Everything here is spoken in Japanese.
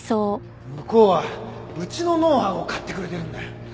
向こうはうちのノウハウを買ってくれてるんだよ。